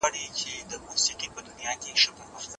زه کولای سم ښوونځي ته ولاړ سم.